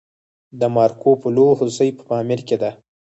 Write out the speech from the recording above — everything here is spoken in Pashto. د مارکوپولو هوسۍ په پامیر کې ده